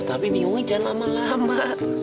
tapi bingungnya jangan lama lama